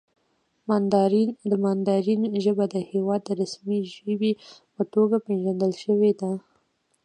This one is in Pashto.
د ماندارین ژبه د هېواد د رسمي ژبې په توګه پېژندل شوې ده.